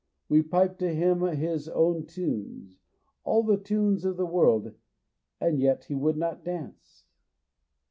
We piped to him his own tunes, all the tunes of the world, and yet he would not dance.